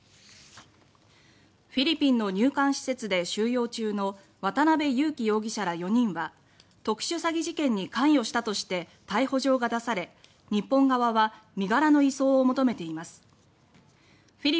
フィリピンの入管施設で収容中の渡邉優樹容疑者ら４人は特殊詐欺事件に関与したとして逮捕状が出され日本側は身柄の移送を求めています。